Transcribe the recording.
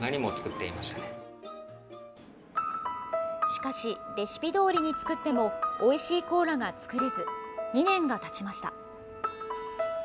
しかしレシピ通りに作ってもおいしいコーラが作れず２年がたちました。